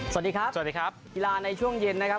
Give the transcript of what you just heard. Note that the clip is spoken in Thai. สวัสดีครับสวัสดีครับกีฬาในช่วงเย็นนะครับ